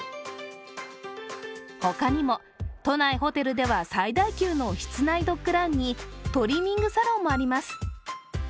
他にも、都内ホテルでは最大級の室内ドッグランにトリミングサロンもあります。